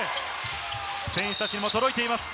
選手たちにも届いています。